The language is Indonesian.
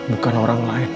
bukan orang lain